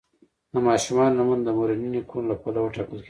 د ماشومانو نومونه د مورني نیکونو له پلوه ټاکل کیدل.